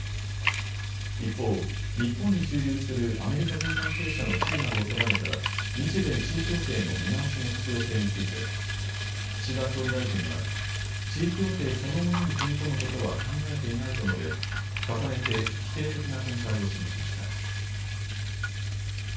一方、日本に駐留するアメリカ軍関係者の地位などを定めた日米地位協定の見直しの必要性について岸田総理大臣は地位協定そのものに踏み込むことは考えていないと述べ重ねて否定的な見解を示しました。